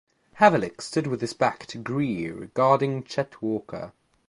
Havlicek stood with his back to Greer, guarding Chet Walker.